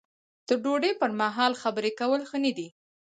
د ډوډۍ پر مهال خبرې کول ښه نه دي.